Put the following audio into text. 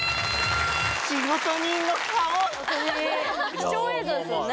貴重映像ですよね？